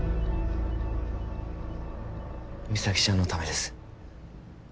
実咲ちゃんのためです